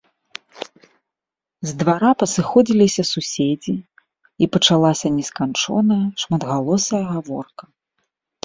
З двара пасыходзіліся суседзі, і пачалася несканчоная шматгалосая гаворка.